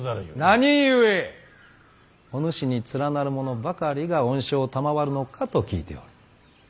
何故おぬしに連なる者ばかりが恩賞を賜るのかと聞いておる。